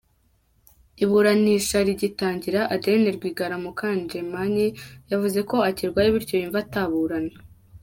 Iburanisha rigitangira, Adeline Rwigara Mukangemanyi yavuze ko akirwaye bityo yumva ataburana.